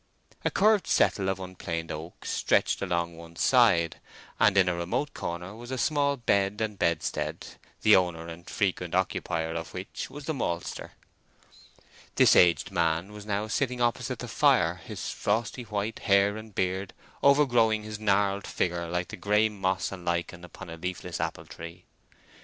A curved settle of unplaned oak stretched along one side, and in a remote corner was a small bed and bedstead, the owner and frequent occupier of which was the maltster. This aged man was now sitting opposite the fire, his frosty white hair and beard overgrowing his gnarled figure like the grey moss and lichen upon a leafless apple tree.